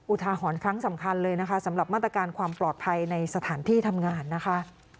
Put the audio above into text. อุทาหรณ์ครั้งสำคัญเลยนะคะสำหรับมาตรการความปลอดภัยในสถานที่ทำงานนะคะ